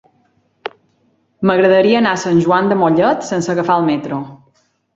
M'agradaria anar a Sant Joan de Mollet sense agafar el metro.